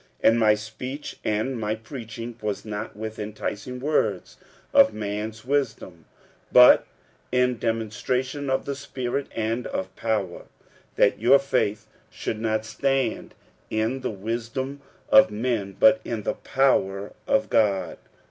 46:002:004 And my speech and my preaching was not with enticing words of man's wisdom, but in demonstration of the Spirit and of power: 46:002:005 That your faith should not stand in the wisdom of men, but in the power of God.